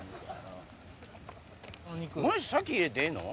先入れてええの？